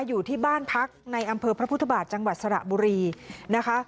อยู่ที่บ้านพักในอำเภอพระพุทธบาทจังหวัดสระบุรีนะคะ